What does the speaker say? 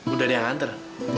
udah ada yang nganter